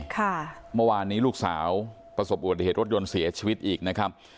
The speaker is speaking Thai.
ค่ะเมื่อวานนี้ลูกสาวประสบอุบัติเหตุรถยนต์เสียชีวิตอีกนะครับ